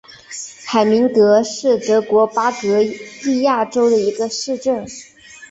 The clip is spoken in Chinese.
海明格是德国巴伐利亚州的一个市镇。